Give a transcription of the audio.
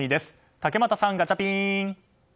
竹俣さん、ガチャピン！